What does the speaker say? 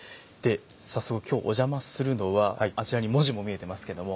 早速今日お邪魔するのはあちらに文字も見えてますけども。